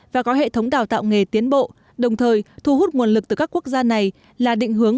và có hệ thống đào tạo nghề tiến bộ đồng thời thu hút nguồn lực từ các quốc gia này là định hướng